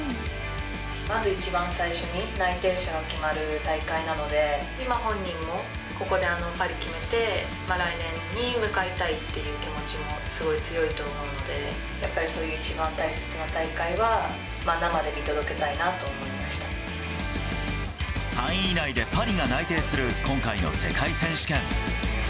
まず一番最初に内定者が決まる大会なので、今、本人もここでパリ決めて、来年に向かいたいっていう気持ちもすごい強いと思うので、やっぱりそういう一番大切な大会は、３位以内でパリが内定する今回の世界選手権。